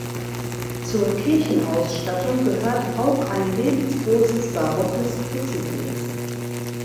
Zur Kirchenausstattung gehört auch ein lebensgroßes barockes Kruzifix.